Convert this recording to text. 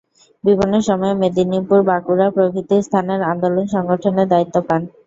বিভিন্ন সময়ে মেদিনীপুর, বাঁকুড়া প্রভৃতি স্থানের আন্দোলন সংগঠনের দায়িত্ব পান।